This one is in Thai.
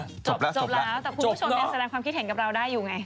จบแล้วมองผู้ชนร่วมแสดงความคิดเห็นกับเราได้อยู่ไง